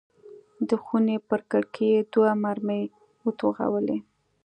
د خونې پر کړکۍ یې دوه مرمۍ وتوغولې.